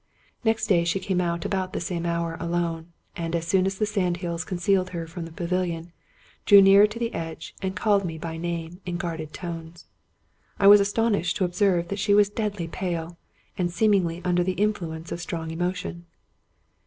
Next day she came out about the same hour alone, and, as soon as the sand hills concealed her from the pavilion, drew nearer to the edge, and called me. by name in guarded tones. I was astonished to observe that she was deadly pale, and seemingly under the influence of strong emotion.